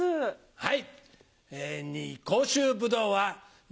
はい。